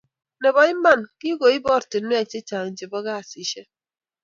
Nebo iman, kikoib oratinwek che chang chebo kasishek